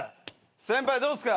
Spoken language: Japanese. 先輩どうっすか。